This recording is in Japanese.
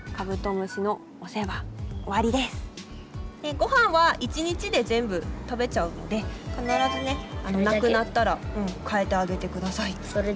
ごはんは一日で全部食べちゃうので必ずねなくなったら替えてあげて下さい。